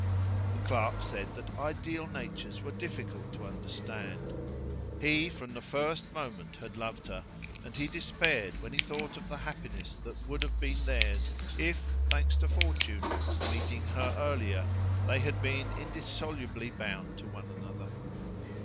The clerk said that ideal natures were difficult to understand. He from the first moment had loved her, and he despaired when he thought of the happiness that would have been theirs, if thanks to fortune, meeting her earlier, they had been indissolubly bound to one another.